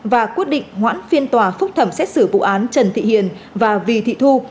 và quyết định hoãn phiên tòa phúc thẩm xét xử vụ án trần thị hiền và vì thị thu